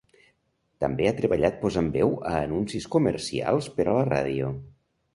També ha treballat posant veu a anuncis comercials per a la ràdio.